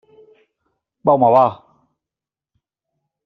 Va, home, va.